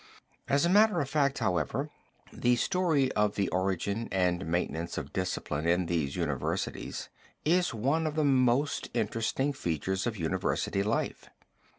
As a matter of fact, however, the story of the origin and maintenance of discipline in these universities is one of the most interesting features of university life.